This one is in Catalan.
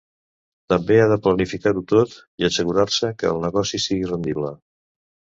També ha de planificar-ho tot i assegurar-se que el negoci sigui rendible.